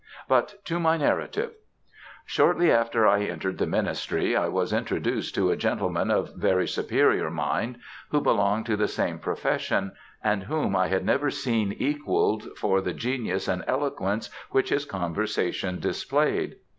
But to my narrative: Shortly after I entered the ministry, I was introduced to a gentleman of very superior mind who belonged to the same profession, and whom I had never seen equalled for the genius and eloquence which his conversation displayed.